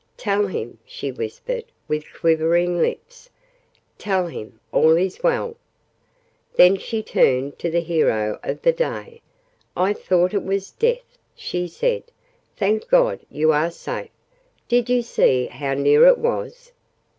"Tell him," she whispered with quivering lips, "tell him all is well!" Then she turned to the hero of the day. "I thought it was death," she said. "Thank God, you are safe! Did you see how near it was?"